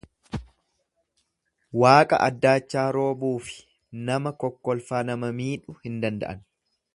Waaqa addaachaa roobuufi nama kokkolfaa nama miidhu hin danda'an.